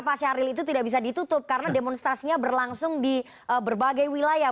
pak syahril itu tidak bisa ditutup karena demonstrasinya berlangsung di berbagai wilayah